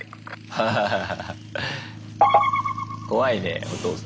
ハハハハ。